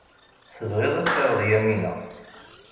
Tebɣiḍ ad taɣeḍ Yamina.